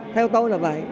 theo tôi là vậy